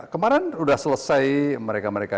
kemarin sudah selesai mereka mereka